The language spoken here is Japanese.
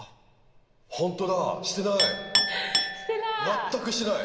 全くしてない。